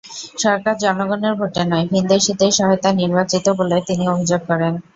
সরকার জনগণের ভোটে নয়, ভিন দেশিদের সহায়তায় নির্বাচিত বলে তিনি অভিযোগ করেন।